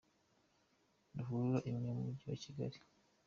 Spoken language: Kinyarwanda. Ruhurura imwe mu Mujyi wa Kigali.